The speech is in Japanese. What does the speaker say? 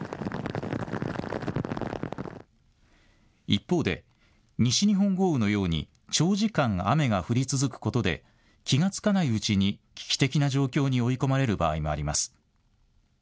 一方で、西日本豪雨のように長時間、雨が降り続くことで気がつかないうちに危機的な状況に追い込まれる場合もあります。